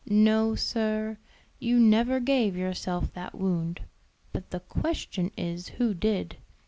No, sir, you never gave yourself that wound; but the question is who did?